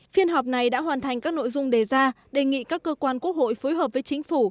phiên họp này đã hoàn thành các nội dung đề ra đề nghị các cơ quan quốc hội phối hợp với chính phủ